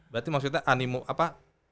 berarti maksudnya animo apa